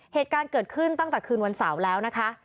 เหตุการณ์เกิดขึ้นตั้งแต่คืนวันเสาร์แล้วนะคะ